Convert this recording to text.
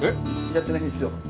やってないんですよ。